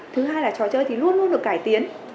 thứ hai là trò chơi thì luôn luôn được cải tiến